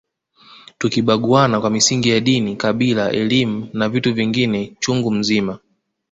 Tukibaguana kwa misingi ya dini kabila elimu na vitu vingine chungu mzima